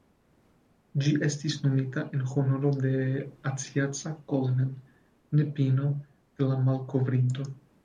Ĝi estis nomita en honoro de "Acacia Coleman", nepino de la malkovrinto.